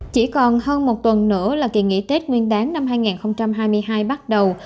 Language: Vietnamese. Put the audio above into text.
chỉ còn hơn một tuần nữa là kỳ nghỉ tết nguyên đáng năm hai nghìn hai mươi hai bắt đầu